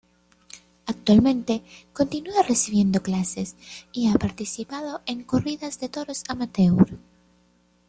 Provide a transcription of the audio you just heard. Actualmente continúa recibiendo clases y ha participado en corridas de toros amateur.